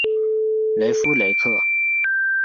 勒夫雷克。